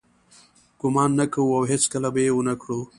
ګمان نه کوو او هیڅکله به یې ونه کړو.